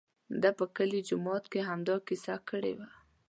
ده په کلي جومات کې همدا کیسه کړې وه.